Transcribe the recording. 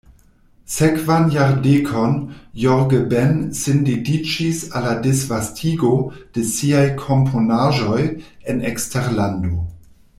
Sekvan jardekon Jorge Ben sin dediĉis al la disvastigo de siaj komponaĵoj en eksterlando.